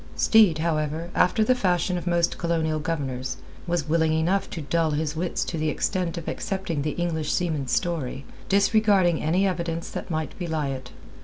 Steed, however, after the fashion of most Colonial governors, was willing enough to dull his wits to the extent of accepting the English seaman's story, disregarding any evidence that might belie it.